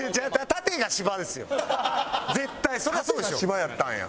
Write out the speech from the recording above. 縦が芝やったんや。